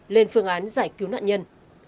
lên phương án giải cứu nạn nhân